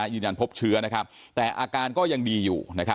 ยืนยันพบเชื้อแต่อาการก็ยังดีอยู่